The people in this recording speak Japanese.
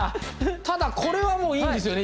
ただこれはもういいんですよね？